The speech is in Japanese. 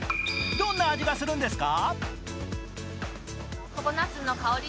どんな味がするんですか？